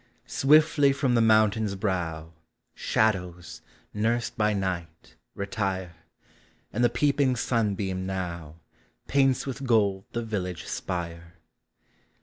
Swiftly from the mountain's brow. Shadows, nursed by night, retire : And the peeping sunbeam now Paints with gold the village spire.